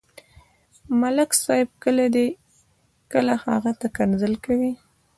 ملک صاحب کله دې، کله هغه ته کنځل کوي.